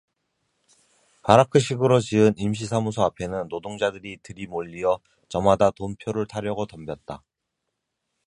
바라크식으로 지은 임시 사무소 앞에는 노동자들이 들이몰리어 저 마다 돈표를 타려고 덤볐다.